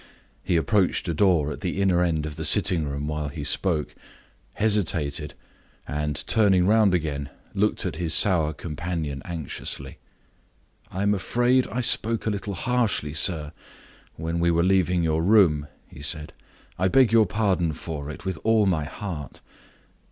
He approached a door at the inner end of the sitting room while he spoke hesitated and, turning round again, looked at his sour companion anxiously. "I am afraid I spoke a little harshly, sir, when we were leaving your room," he said. "I beg your pardon for it, with all my heart.